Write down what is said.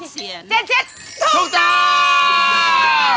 ๗เซียน